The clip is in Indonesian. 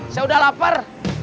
saya udah lapar